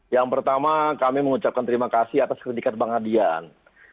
yang pertama kami mengucapkan terima kasih atas kerendikat bang hadian